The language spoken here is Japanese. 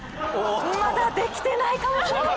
まだできてないかもしれません！